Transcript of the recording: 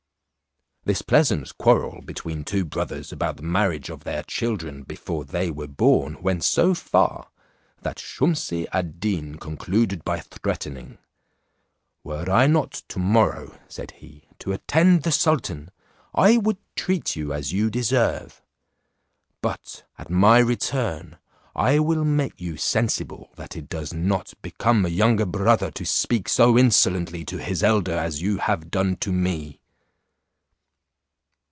This pleasant quarrel between two brothers about the marriage of their children before they were born went so far, that Shumse ad Deen concluded by threatening: "Were I not to morrow," said he, "to attend the sultan, I would treat you as you deserve; but at my return, I will make you sensible that it does not become a younger brother to speak so insolently to his elder as you have done to me."